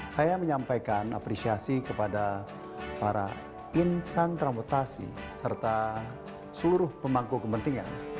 saya menyampaikan apresiasi kepada para insan transportasi serta seluruh pemangku kepentingan